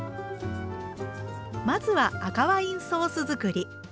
まずは赤ワインソース作り。